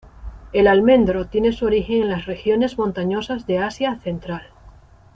El almendro tiene su origen en las regiones montañosas de Asia Central.